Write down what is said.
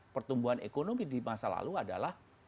pertumbuhan ekonomi di masa lalu adalah